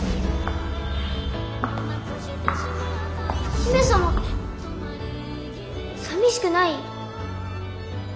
姫様さみしくない？